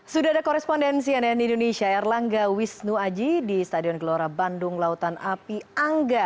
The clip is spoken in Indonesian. sudah ada korespondensi nn indonesia erlangga wisnu aji di stadion gelora bandung lautan api angga